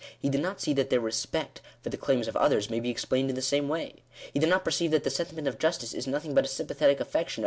he did not see that their respect for the claims of others, may be explained in the same way. He did not perceive that the sentiment of justice is nothing but a sympathetic affection of.